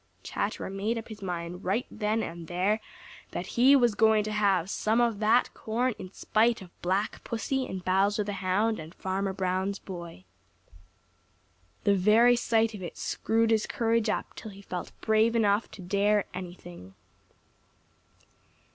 Chatterer made up his mind right then and there that he was going to have some of that corn in spite of Black Pussy and Bowser the Hound and Farmer Brown's boy. The very sight of it screwed his courage up till he felt brave enough to dare anything.